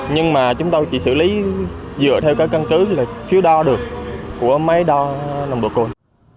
nhưng mà chúng tôi chỉ xử lý dựa theo cái căn cứ là chiếu đo được của máy đo nồng độ cồn